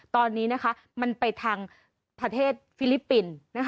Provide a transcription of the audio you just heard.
ตอนนี้มันไปทางประเทศฟิลิปปินส์